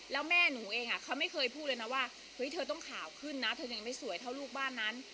แล้วแม่หนูเองเขาไม่เคยพูดเลยนะว่าเฮ้ยเธอต้องข่าวขึ้นนะเธอยังไม่สวยเท่าลูกบ้านนั้น